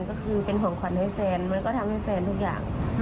ก็คือเป็นของขวัญให้แฟนมวยก็ทำให้แฟนทุกอย่าง